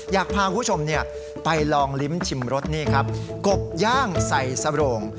อยากพาคุณผู้ชมไปลองลิ้มชิมรสนี่ครับกบย่างใส่สโรง